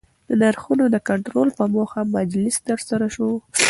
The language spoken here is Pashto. د نرخونو د کنټرول په موخه مجلس ترسره سو